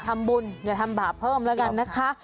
ทำบุญอย่าทำบาปเพิ่มแล้วกันนะคะ